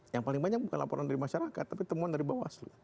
yang paling banyak bukan laporan dari masyarakat tapi temuan dari bawaslu